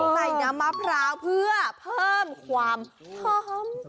น้ำมะพร้าวเพื่อเพิ่มความหอม